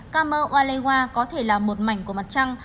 camer walewa có thể là một mảnh của mặt trăng